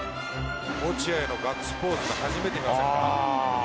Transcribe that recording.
落合のガッツポーズって、初めて見ませんか？